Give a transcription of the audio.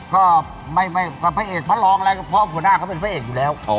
ก็ไม่พระเอกพระรองอะไรก็เพราะหัวหน้าเขาเป็นพระเอกอยู่แล้ว